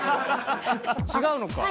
違うのか。